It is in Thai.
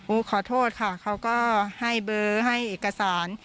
ขอโทษค่ะเขาก็ให้เบอร์ให้เอกสาร